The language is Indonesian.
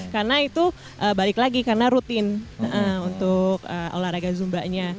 karena itu balik lagi karena rutin untuk olahraga zumbanya